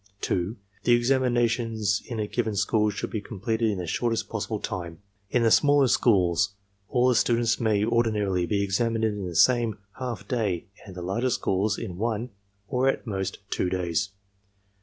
(2) The examinations in a given school should be completed in the shortest possible time. In the smaller schools, all the students may ordinarily be examined in the same half day, and in the larger schools in one, or at most, two days.